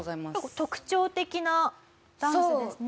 特徴的なダンスですね。